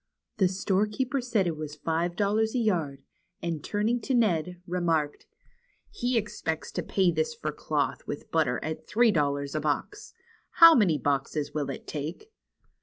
The storekeeper said it was five dol lars a yard, and turning to Ned, remarked : "He expects to pay this for cloth with butter at three dollars a box. How many boxes will it take